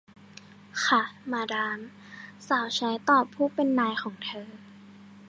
ค่ะ มาดาม สาวใช้ตอบผู้เป็นนายของเธอ